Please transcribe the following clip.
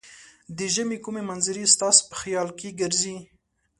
د ژمې کومې منظرې ستاسې په خیال کې ګرځي؟